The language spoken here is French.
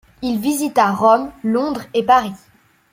Il visita Rome, Londres et Paris.